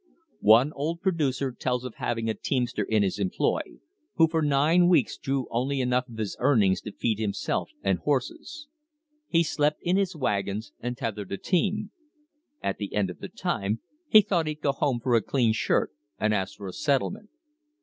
One old producer tells of having a teamster in his employ who for nine weeks drew only enough of his earnings to feed himself and horses. He slept in his wagon and tethered the team. At the end of the time he "thought he'd go home for a clean shirt" and asked for a settlement.